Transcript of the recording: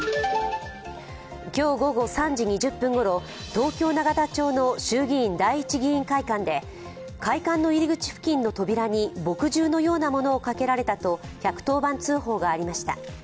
今日午後３時２０分ごろ東京・永田町の衆議院第一議員会館で、会館の入り口付近の扉に墨汁のようなものをかけられたと１１０番通報がありました。